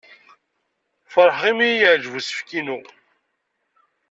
Feṛḥeɣ imi ay yeɛjeb usefk-inu.